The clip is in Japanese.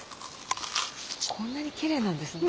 こんなにきれいなんですね。